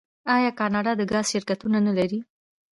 آیا کاناډا د ګاز شرکتونه نلري؟